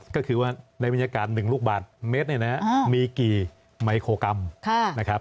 ก็คือว่าในบรรยากาศ๑ลูกบาทเมตรเนี่ยนะมีกี่ไมโครกรัมนะครับ